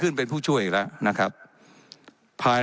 และยังเป็นประธานกรรมการอีก